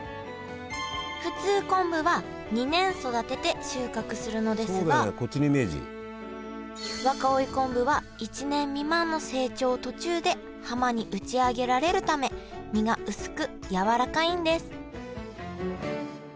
普通昆布は２年育てて収穫するのですが若生昆布は１年未満の成長途中で浜に打ち上げられるため身が薄く柔らかいんです